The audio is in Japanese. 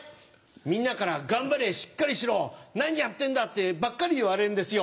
みんなから「頑張れしっかりしろ何やってんだ！」ってばっかり言われるんですよ。